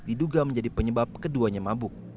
diduga menjadi penyebab keduanya mabuk